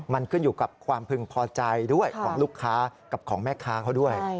มันขึ้นอยู่กับความพึงพอใจด้วยของลูกค้ากับของแม่ค้าเขาด้วย